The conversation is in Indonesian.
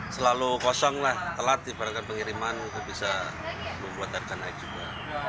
selalu kosong lah telat ibaratkan pengiriman itu bisa membuat harga naik juga